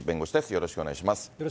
よろしくお願いします。